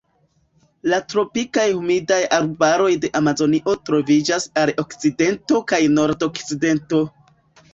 La tropikaj humidaj arbaroj de Amazonio troviĝas al okcidento kaj nordokcidento.